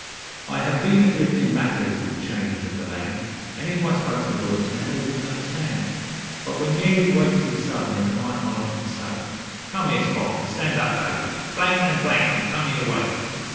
I have been a driftin' back'ards with the changes ov the land, An' if I spoke ter bullicks now they wouldn't understand, But when Mary wakes me sudden in the night I'll often say: 'Come here, Spot, an' stan' up, Bally, blank an' blank an' come eer way.'